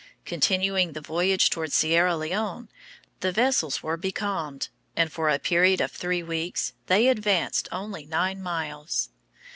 Continuing the voyage toward Sierra Leone, the vessels were becalmed, and for a period of three weeks they advanced only nine miles.